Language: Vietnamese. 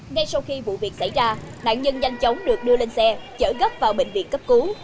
ngay sau khi vụ việc xảy ra nạn nhân nhanh chóng được đưa lên xe chở gấp vào bệnh viện cấp cứu